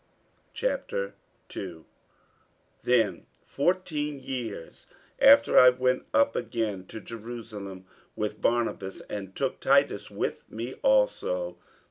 48:002:001 Then fourteen years after I went up again to Jerusalem with Barnabas, and took Titus with me also.